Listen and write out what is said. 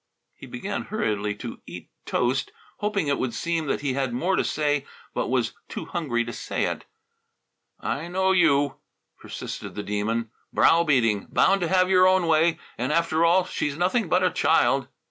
He began hurriedly to eat toast, hoping it would seem that he had more to say but was too hungry to say it. "I know you," persisted the Demon. "Brow beating, bound to have your own way, and, after all, she's nothing but a child."